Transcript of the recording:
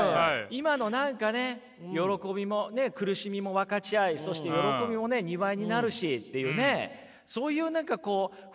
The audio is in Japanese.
今の何かね喜びも苦しみも分かち合いそして喜びもね２倍になるしっていうねそういう何かこう雰囲気を共有したいっていうことですよね？